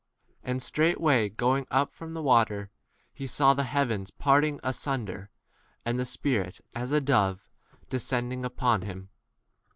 And straightway going up from the water, he saw the heavens parting asunder, and the Spirit, as a dove, 11 descending upon him.